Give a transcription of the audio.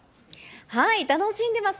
はい、楽しんでます。